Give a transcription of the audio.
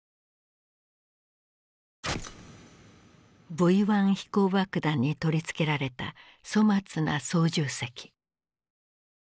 Ｖ１飛行爆弾に取り付けられた粗末な操縦席。